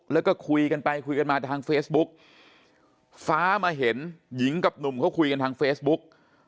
แล้วก็คุยกันไปคุยกันมาทางเฟซบุ๊กฟ้ามาเห็นหญิงกับหนุ่มเขาคุยกันทางเฟซบุ๊ก